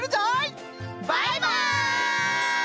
バイバイ！